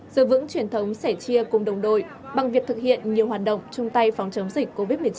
giữ vững truyền thống sẻ chia cùng đồng đội bằng việc thực hiện nhiều hoạt động chung tay phòng chống dịch covid một mươi chín